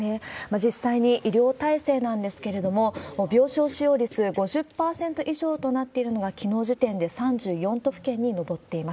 実際に医療体制なんですけれども、病床使用率５０％以上となって、きのう時点で３４都府県に上っています。